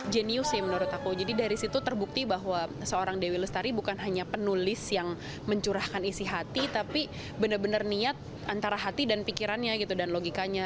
jenius sih menurut aku jadi dari situ terbukti bahwa seorang dewi lestari bukan hanya penulis yang mencurahkan isi hati tapi benar benar niat antara hati dan pikirannya gitu dan logikanya